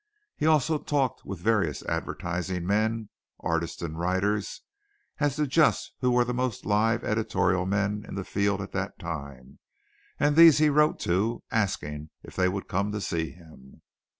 He also talked with various advertising men, artists and writers as to just who were the most live editorial men in the field at that time, and these he wrote to, asking if they would come to see him.